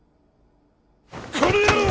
この野郎！